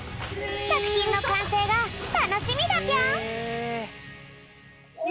さくひんのかんせいがたのしみだぴょん！